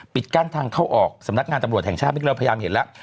กั้นทางเข้าออกสำนักงานตำรวจแห่งชาติเราพยายามเห็นแล้ว